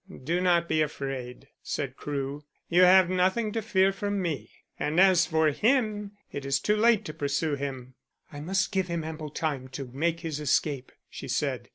"Do not be afraid," said Crewe. "You have nothing to fear from me. And, as for him, it is too late to pursue him." "I must give him ample time to make his escape," she said.